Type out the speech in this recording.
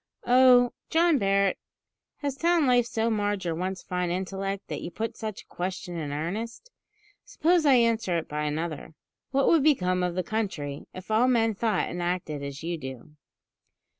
"Oh! John Barret, has town life so marred your once fine intellect, that you put such a question in earnest? Suppose I answer it by another: What would become of the country if all men thought and acted as you do?"